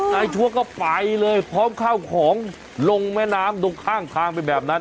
ชัวร์ก็ไปเลยพร้อมข้าวของลงแม่น้ำตรงข้างทางไปแบบนั้น